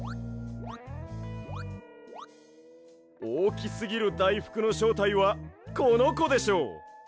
おおきすぎるだいふくのしょうたいはこのこでしょう。